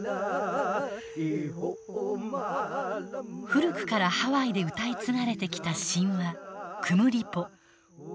古くからハワイで歌い継がれてきた神話「クムリポ」。